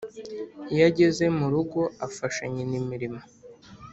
iyo ageze murugo afasha nyina imirimo